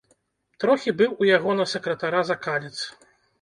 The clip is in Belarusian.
Трохі быў у яго на сакратара закалец.